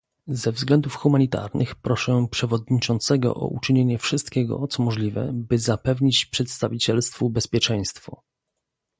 Ze względów humanitarnych proszę przewodniczącego o uczynienie wszystkiego, co możliwe, by zapewnić przedstawicielstwu bezpieczeństwo